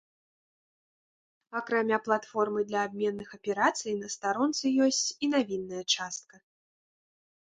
Акрамя платформы для абменных аперацый, на старонцы ёсць і навінная частка.